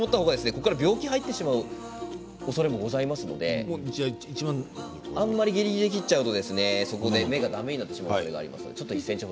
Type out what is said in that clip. ここから病気が入ってしまうおそれもありますのであんまりぎりぎりで切っちゃうそこで芽がだめになってしまう